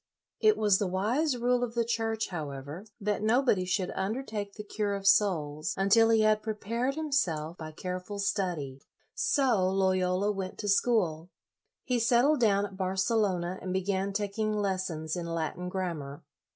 It was the wise rule of the Church, however, that nobody should undertake the cure of souls until he had prepared himself by care 62 LOYOLA ful study. So Loyola went to school. He settled down at Barcelona and began taking lessons in Latin grammar.